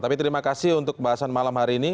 tapi terima kasih untuk pembahasan malam hari ini